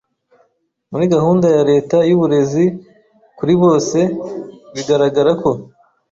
Muri gahunda ya Leta y’uburezi kuri bose, bigaragara ko